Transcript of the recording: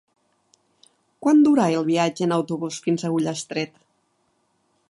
Quant dura el viatge en autobús fins a Ullastret?